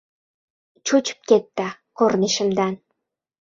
Cho‘chib ketdi ko‘rinishimdan.